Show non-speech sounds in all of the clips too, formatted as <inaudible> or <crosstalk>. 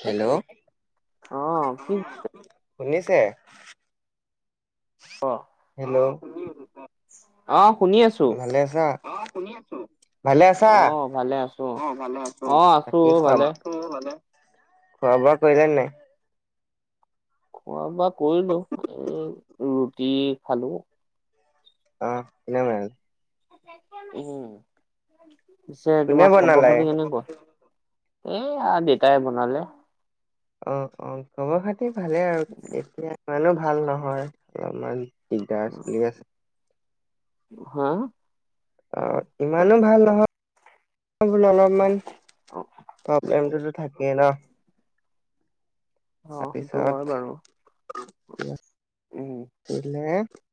Hello অহ কি শুনিছে অ হেল্ল অ শুনি আছো অহ শুনি আছো কওক ভালে আছা অ শুনি আছো ভালে আছা অহ ভালে আছো অ ভালে আছো অহ বাকী অ খোৱা ভালে আছো ভালে খোৱা বোৱা কৰিলেনে নাই খোৱা বোৱা কৰিলো এ ৰুটি খালো অ এনে মই অ পিছে কোনে তোমাৰ খবৰ বনালে খাতি কেনেকুৱা এয়া দেউতাই বনালে অ অ খবৰ খাতি ভালে আৰু এতিয়া ইমানো ভাল নহয় অলপমান দিগদাৰ চলি আছে হা অ ইমানো ভাল নহয় বোলো অলপমান প্ৰব্লেমটো থাকে ন অ সেইটো তাৰপিছত হয় বাৰু কি উম <unintelligible>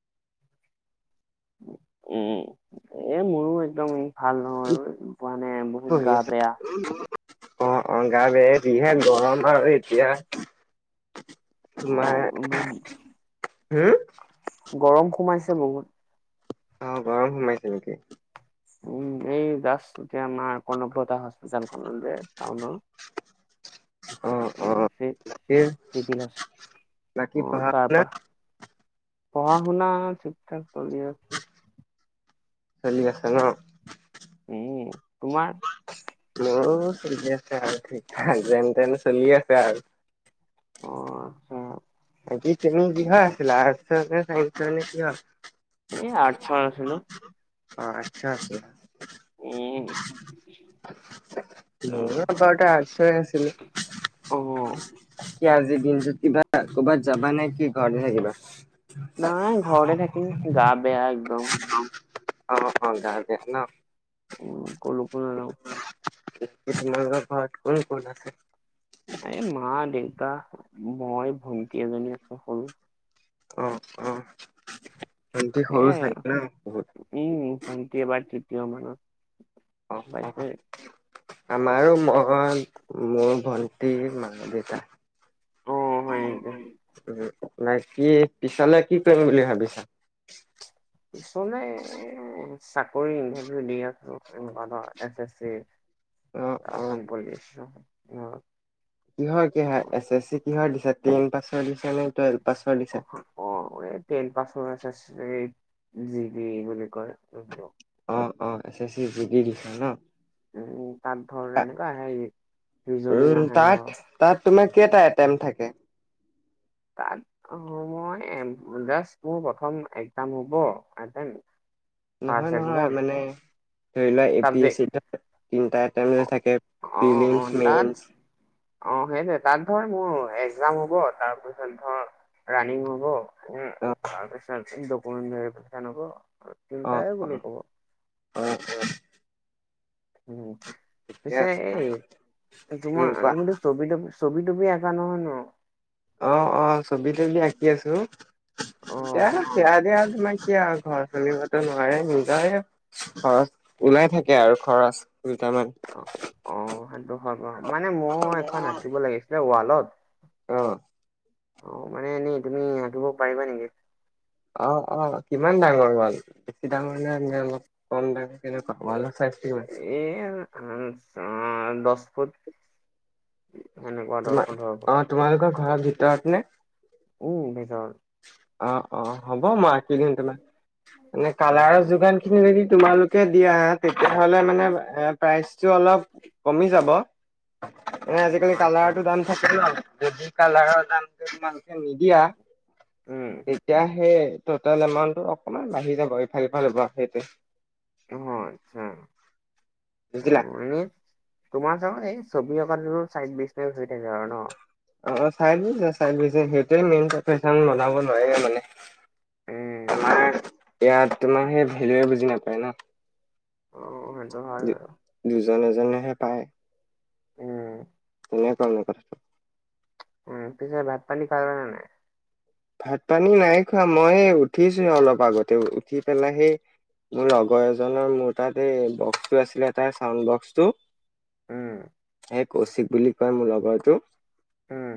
উম এ মোৰো একদম ভাল নহয় ম মানে বহুত পঢ়ি গা আছো বেয়া অ অ গা বেয়া যিহে গৰম আৰু এতিয়া অ তোমাৰ বহুত হম গৰম সোমাইছে বহুত অ গৰম সোমাইছে নেকি উম এই দাস এতিয়া আমাৰ কনকলতা হস্পিতেলখন যে টাউনৰ অ উ সেইপেনিদি অ চিবিল আছে বাকী অহ পঢ়া তাৰ শুনা পৰা পঢ়া শুনা ঠিক ঠাক চলি আছে চলি আছে ন উম তোমাৰ মোৰ চলি আছে আৱ ঠিক ঠাক যেন তেন চলি আছে আৰু অ আচ্ছা বাকী তুমি কিহৰ আছিলা আৰ্টচ নে চাইন্সৰ নে কিহৰ এই আৰ্টছৰ আছিলো অ আচ্ছা আছে উম মোৰ আগতে আৰ্টচৰ আছিল অ কি আজিৰ দিনটোত কিবা কৰবাত যাবা নে কি ঘৰতে থাকিবা নাই ঘৰতে থাকিম গা বেয়া একদম। অঁ অঁ গা বেয়া ন। উম কলৈকো নাযাওঁ। বাকী তোমালোকৰ ঘৰত কোন কোন আছে? এই মা দেউতা মই ভণ্টি এজনী আছো সৰু। অঁ অঁ ভণ্টি সৰু সেয়াই আৰু চাগে ন? উম ভণ্টি এবাৰ তৃতীয় মানত। অ অ। পাইছে আমাৰো মই মোৰ ভন্টি মা দেউতা। অ হয় নেকি অঁ অঁ, বাকী পিছালে কি কৰিম বুলি ভাবিছা? পিছলে এ চাকৰি ইণ্টাৰভিউ দি আছো এনেকুৱা এছ এছ চিৰ। অ অ অসম পলিচৰ অঁ। কিহৰ কিহৰ এছ এছ চি কিহৰ দিছা টেন পাছৰ দিছা নে টুৱেল্ভ পাছৰ দিছা? অ টেন পাছৰ S S C, G B A বুলি কয় এইটো। অ অ S S C, G B দিছা ন? উম তাত ধৰ এনেকুৱা ৰিজনিং উম আহে তাত ধৰ তাত তোমাৰ কেইটা এটেম থাকে? তাত অ মই জাষ্ট মোৰ প্ৰথম একজাম হ'ব এটেম নহয় ফাৰ্ষ্ট নহয় এক্জাম মানে ধৰি লোৱা A P A subject C তিন টা যে অ', থাকে ফিমেলচ মেলচ অঁ সেইটোৱে তাত ধৰ মোৰ একজাম হ'ব তাৰপিছত ধৰ ৰানিং হব উম অ তাৰপিছত ডকুমেণ্টৰী পৰীক্ষা লব। অ তিনিটাই অ বুলি কব। অ অ। উম ঠিকে পিছে আছে এই উম তোমাৰ কোৱা তুমিতো ছবি তবি ছবি তবি আঁকা নহয় ন? অঁ অঁ, ছবি তবি আঁকি আছো অ এতিয়া সেয়াকে আৰু তোমাৰ কি আৰু ঘৰ চলিবটো নোৱাৰে নিজৰে খৰচ ওলাই থাকে আৰু খৰচ দুটামান। অঁ সেইটো হয় বাৰু, মানে মোৰ এখন আঁকিব লাগিছিলে ৱালত। অঁ। অঁ মানে এনেই তুমি আঁকিব পাৰিবা নেকি? অঁ অঁ কিমান ডাঙৰ ৱাল? বেছি ডাঙৰ নে অলপ কম ডাঙৰ কেনেকুৱা ৱালৰ চাইজ কিমান? এ আঁহ দহ ফুট। সেনেকুৱা ধৰ তোমাৰ পোন্ধৰ ফুট অঁ তোমালোকৰ ঘৰৰ ভিতৰত নে? উম ভিতৰৰ অ অ হ'ব মই আঁকি দিম তোমাক এনে অ কালাৰৰ যোগান খিনি যদি তোমালোকে দিয়া তেতিয়া হলে মানে প্ৰাইচটো অলপ কমি যাব। মানে অ আজিকালি আচ্ছা কালাৰটো দাম থাকে যদি কলাৰৰ দামটো তোমালোকে নিদিয়া উম। তেতিয়া সেই টটেল এমাউন্টটো অকনমান বাঢ়ি যাব ইফাল ইফাল হব সেইটোৱে। অ আচ্ছা। অ বুজিলা। এনে তোমাৰ চ এই ছবি অঁকাত চাইড বিজনেছ হৈ থাকে আৰু ন? অ চাই লৈছে চাই লৈছে সেইটোৱে মেইন পফেশ্বন বনাব নোৱাৰে মানে উম উম। আমাৰ ইয়াত তোমাৰ সেই ভেলুয়ে বুজি নাপায় ন অ সেইটো হয় বাৰু দুজন এজনেহে পায় উম নাই ক নাই কৰা <unintelligible> উম পিছে ভাত পানী খালা নে নাই ভাত-পানী নাই খোৱা মই উঠিছো হে অলপ আগতে উ উঠি পেলাই সেই মোৰ লগৰ এজনৰ মোৰ তাত এই বক্সটো আছিলে তাৰ চাউড বক্স টো উম। এই কৌশিক বুলি কয় মোৰ লগৰটো উম।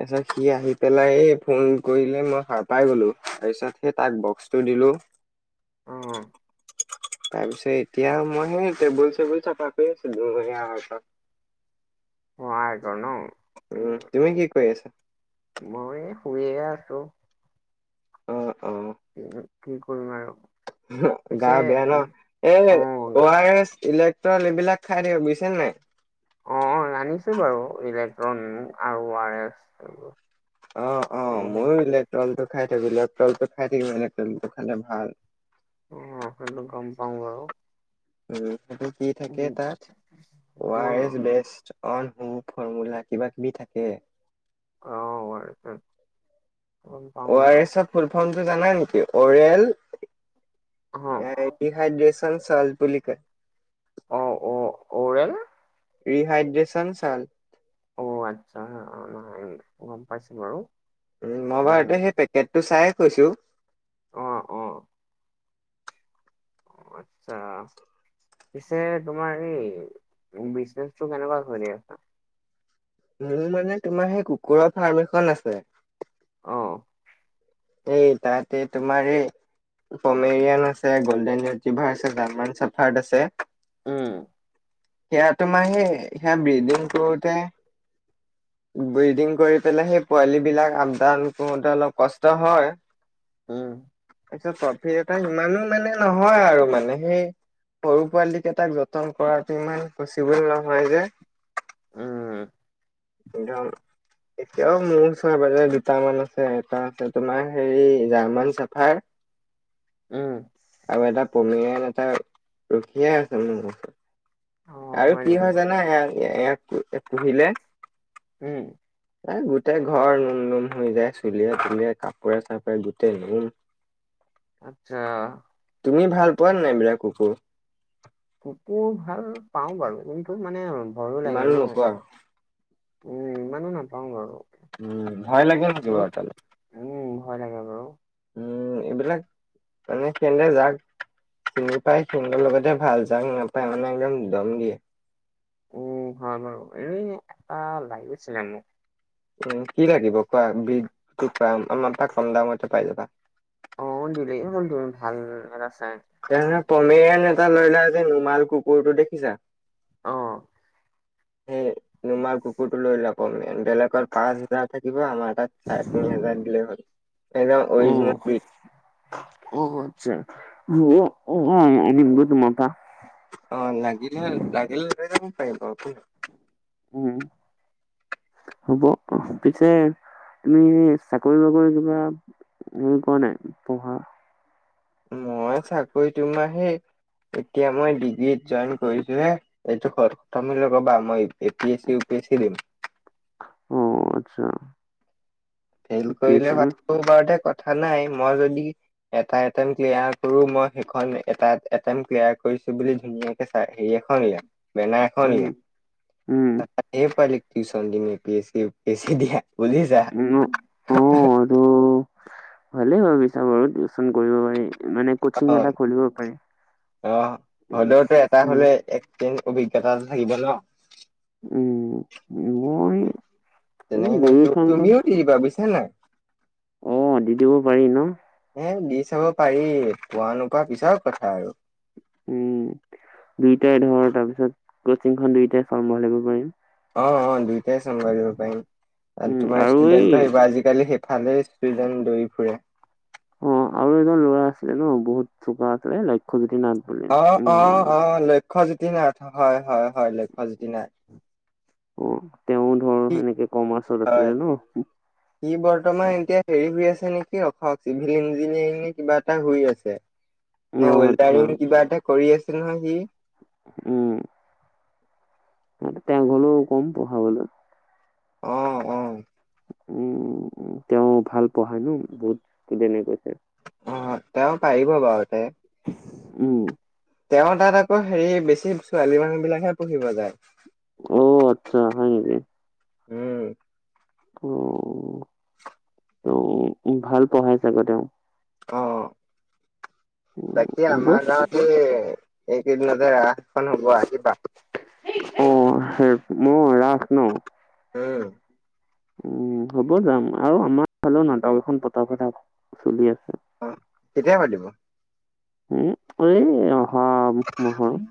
তাৰছত সি আহি পেলাই এই ফোন কৰিলে মই সাৰ পাই গ'লো, তাৰ পিছত সেই তাক বক্সটো দিলো অ', তাৰ পিছত এতিয়া মই সেই টেবুল-চেবুল চাফা কৰি আছো দুয়া হোৱা এঘৰ ন উম তুমি কি কৰি আছা? মই শুইয়ে আছো অঁ অঁ। কি কৰিম আৰু গা পিছে বেয়া ন এ অ' আৰ এছ, ইলেক্ট্ৰন এইবিলাক খাই থাকিবা বুজিছা নে নাই? অ আনিছো বাৰু ইলেক্ট্ৰন আউ আৰ এছ এইবোৰ অ অ মইও ইলেক্ট্ৰনটো খাই থাকো লেক্টন টো খাই থাকিলে মানে তেলটো খালে ভাল অ সেইটো গম পাওঁ বাউ উম'সেইটো কি থাকে তাত O R S best on হু ফৰ্মূলা কিবা-কিবি থাকে অ, অ আৰ এছ চে অ' আৰ এছ ৰ ফুল ফৰ্মটো জানা নেকি অৰেল অ', হাইড্ৰেচন চল্ট বুলি কয়। অ অ অৰেল ৰিহাইড্ৰেশচন চাল্ট। অ আচ্ছা হা অ হে এম গম পাইছো বাৰু উ মই উম, বাৰুটো সেই পেকেট টো চাই কৈছো অ অ। অ আচ্ছা। পিছে তোমাৰ এই বিজনেচটো কেনেকুৱা চলি আছা? মোৰ মানে তোমাৰ সেই কুকুৰৰ ফাৰ্ম এখন আছে অঁ। এই তাতে তোমাৰ এই ফমেৰিয়ান আছে গ'ল্ডেন ইটিভাৰ আছে গান্মান চাফাৰ্ড আছে উম। সেয়া তোমাৰ সেই সেয়া ব্ৰিডিং কৰোতে ব্ৰিডিং কৰি পেলাই, সেই পোৱালি বিলাক আপদান কৰোতে অলপ কষ্ট হয় <inaudible> উম। তাৰপিছত প্ৰফিট এটা ইমানো মানে নহয় আৰু মানে সেই সৰু পোৱালী কেইটাক যতন কৰাটো ইমান পচিবুল নহয় যে উম,। <unintelligible> এতিয়াও মোৰ ওচৰে-পাজৰে দুটামান আছে, এটা আছে তোমাৰ হেৰি, জাৰ্মান চাৰ্ফাড <inaudible> উম,। আৰু এটা পমি <unintelligible> এটা ৰখিয়েই আছে মোৰ ওচৰত। অ', আৰু কি নেকি? হয় জানা, এ‌‌, ইয়াক পুহিলে উম, এই গোটেই ঘৰ নোম-নোম হৈ যায়, চুলিয়ে-তুলিয়ে কাপোৰে-চাপোৰে গোটেই নোম আচ্ছা। তুমি ভাল পোৱা নাই এই বিলাক কুকুৰ? কুকুৰ ভাল পাওঁ বাৰু, কিন্তু মানে ভয়ো ইমানো লাগে ন। নোপোৱা উম, ইমানো নাপাওঁ বাৰু। উম, ভয় লাগে আৰু <unintelligible> তালে। উম, ভয় লাগে বাৰু। উম, এইবিলাক মানে কেনে যাক চিনি পাই সিহঁতৰ লগতে ভাল, যাক নাপায় মানে একদম দম দিয়ে। উম, হয় বাৰু এই, এটা লাগছিলে মোক। উম, কি লাগিব কোৱা? <unintelligible> আমাৰ তাত কম দামতে পাই যাবা। অ, দিলেই হ'ল তুমি, ভাল এটা চাই। <unintelligible> লৈ যায় যে নোমাল কুকুৰটো দেখিছা? অ, সেই নোমাৰ কুকুৰটো লৈ লোৱা <unintelligible> এনভেলোপ পাঁচ হাজাৰ থাকিব আমাৰ তাত চাৰে তিনি হাজাৰ দিলে হ'ল। একদম উম অৰিজিনেল ব্ৰিদ <inaudible> অ, আচছা। মোৰ <unintelligible> তোমাৰপা। অ, লাগিলে, লাগিলে লৈ যাব পাৰিবা <inaudible> উম, হ'ব অ, পিছে তুমি চাকৰি-বাকৰি কিবা উম, কৰা নাই পঢ়া। মই চাকৰি তোমাৰ হেই এতিয়া মই ডিগ্ৰীত জইন কৰিছো হে, এইটো <unintelligible> মই A P S C, U P S C দিম। অ, আচ্ছা। ফেইল ইউ পি এছ কৰিলে চি ন <unintelligible> বাৰতে কথা নাই মই যদি এটা এটেম ক্লিয়াৰ কৰো মই সেইখন এটা এটেম ক্লিয়াৰ কৰিছো বুলি ধুনী <inaudible> চাই হেৰি এখন উলিয়াই, বেনা এখন উম উলিয়াই। উম তাত <inaudible> এই, পোৱালিক টিউচন দিম, A P S C, U P S C দিয়া বুলি যা <inaudible> উম, অ, এইটো ভালেই ভাবিছা বাৰু টিউচন কৰিব পাৰি, মানে কচিং এটা কাতই, খুলিব পাৰি আহ, হলেওতো এটা উম হ'লে এক <inaudible> তে <unintelligible> অভিজ্ঞতা থাকিব ন। উম, মই এই গে <inaudible> কি ভাবিছে নাই? অ, দি দিব পাৰি ন? এ, দি চাব পাৰি, পোৱা-নোপোৱা পিছৰ কথা আৰু। উম, দুইটাই ধৰ, তাৰ পিছত কচিংখন দুইটাই চম্ভালিব পাৰিম। অঁ অঁ দুইটাই চম্ভালিব পাৰিম আৰু উম তোমাৰ এই ষ্টুডেণ্টো আহিব‌ আজি। আজি কালি সেইফালেও ষ্টুডেণ্ট দৌৰি ফুৰে। অঁ আৰু এজন ল'ৰা আছিলে ন বহুত চোকা আছিলে লক্ষ্যজ্যোতি নাথ- বুলি অঁ উম অঁ অঁ লক্ষ্যজ্যোতি নাথ হয় হয় হয় লক্ষ্যজ্যোতি নাথ। অঁ তেওঁ ধৰ সি সেনেকে কমাৰ্চত আছিলে ন। ই বৰ্তমান এতিয়া হেৰি হৈ আছে নেকি অখক চিভিল ইঞ্জিনিয়াৰিঙ নে কিবা এটা কৰি আছে। নে অ', আচ্ছা, ৱেলদাৰিং কিবা এটা কৰি আছিল নহয় সি। উম' তেওঁ গলও কম পঢ়া বলে। অঁ অঁ' উম উম উম' তেওঁ ভাল পঢ়াই ন বহুত ষ্টুডেনে কৈছে। অঁ তেওঁ পাৰিব বাও তে- উম' তেওঁ তাত আকৌ হেৰি বেছি ছোৱালী মানুহ বিলাকহে পঢ়িব যায়। অ' আৎচ্ছা হয় নেকি। উম' অঅঅ' অও' ভাল পঢ়াই চাগে তেওঁ। অঁ অঁ' উম, বাকী হ'ব অ', আমাৰ গাঁৱতে এইকেইদিনতে ৰাসখন হব আহিবা। অঁ' হে মও ৰাস ন। উম' উম' হ'ব যাম। আৰু আমাৰ ফালেও নাটক এখন পতা কথা চলি আছে। অঁ' কেতিয়া পাতিব? উম' এই অহা মা'হৰ-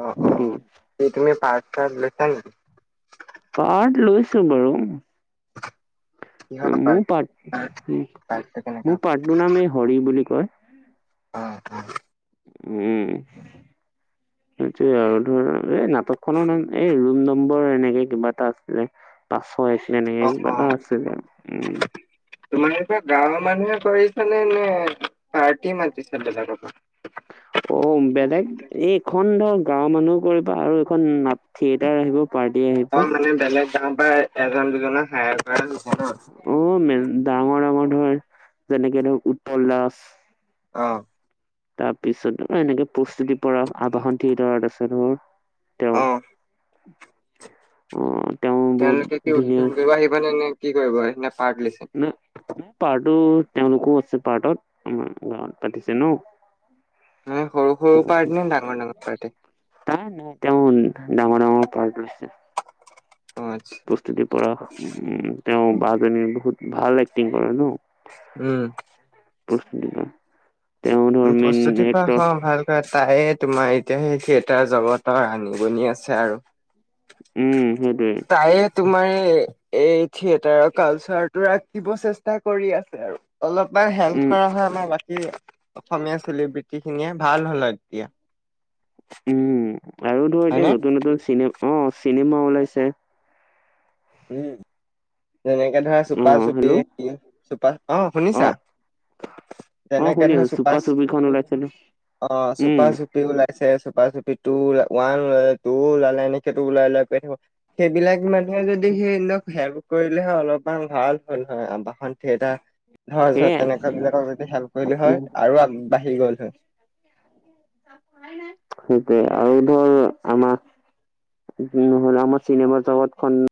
অঁ উম, অঁ' এই তুমি পাৰ্ট চাৰ্ট লৈছা নি। পাৰ্ট লৈছো বাৰু। <inaudible> মোৰ পাৰ্ট পাৰ্টটো কেনেকা মোৰ হ'ব? পাৰ্টো নাম এই হৰি বুলি কয়। অঁ' অঁ' উওম' <inaudible> এইটোৱেই আৰু ধৰ এই নাটক খনৰ নাম এই ৰুম নম্বৰ এনেকে কিবা এটা আছিলে। পাছ ছয় আছিল এনেকে অ' কিবা এটা আছিলে। উম' তোমালোক গাঁওৰ মানুহে কৰিছানে নে পাৰ্টি মাতিছা বেলেগৰ পা। অ' বেলেগ এই এইখন ধৰ গাঁৱৰ মানুহ কৰিব, আৰু এইখন নাট- থিয়েটাৰ আহিব- পাৰ্টি আহিব। অ‍ঁ' মানে বেলেগ গাঁৱৰ পৰা এজন দুজনক হাইয়াৰ কৰা হৈছে ন। অ' মে ডাঙৰ ডাঙৰ ধৰ যেনেকে ধৰক উৎপল দাস। অঁ' তাৰপিছত আৰু এনেকে প্ৰস্তুতি পৰাস, আবাহন থিয়েটাৰত আছে ধৰ- তেওঁ অ'। অঁহ তেওঁ বহুত ধুনীয়া- মানে এনে কি কৰিবা নে পাৰ্ট লৈছা? ও পাৰ্টো তেওঁলোকো আছে পাৰ্টট, আমাৰ গাঁৱত পাতিছে ন। মানে সৰু সৰু পাৰ্ট নে ডাঙৰ ডাঙৰ পাৰ্টে? তাই নাই তেওঁ ডাঙৰ - ডাঙৰ পাৰ্ট লৈছে। অ' আচ্ছ। প্ৰস্তুতিৰ পৰাস উম তেওঁ বাজনীৰ বহুত ভাল এক্টিং কৰে ন। উম। প্ৰস্তুতি বা উম প্ৰস্তুতি পৰাসৰ ভাল। ত তাই তোমাৰ এতিয়া সেই থিয়েটাৰ জগতৰ আনগুনি আছে আৰু। উম সেইটোৱে। তায়ে তোমাৰ এই এ থিয়েটাৰৰ কালচাৰ টো ৰাখিব চেষ্টা কৰি আছে আৰু অলপমান উম হেল্প কৰা হয় আমাৰ বাকী অসমীয়া চেলিব্ৰিটিখিনিয়ে ভাল হ'ল হয় তেতিয়া। উম আৰু ধৰ এতিয়া হয়নে নতুন নতুন চিনে অ চিনেমা ওলাইছে। উম যেনেকে ধৰা অ চুপা চুপি, হেল্ল' চুপা অ' শুনিছা? অ তেনেকে শুনি ধৰ আছো চুপা চুপাচ চুপিখন ওলাইছিলো অ উম চুপা চু পি ওলাইছে, চুপা চুপি টো উলা ওৱান ওলালে, টু ওলালে এনেক টো ওলাই ওলায়ে <unintelligible> সেইবিলাক মানুহে যদি সেই ইহতক হেল্প কৰিলে হয় অলপমান ভাল হ'ল হয় আবাহন থিয়েটাৰ ধৰ ধৰ সেয়াই তেনেকুৱাবিলাকক যদি হেল্প কৰিলে হয় উম, আৰু আগবাঢ়ি গ'ল হয়। <inaudible> সেইটোৱে আৰু ধৰ আমাক যি নহ'ল আমাৰ চিনেমাৰ জগতখন